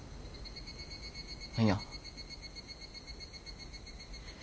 何や？